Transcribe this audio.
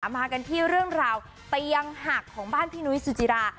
มากันที่เรื่องราวเตียงหักของบ้านพี่นุ้ยสุจิรา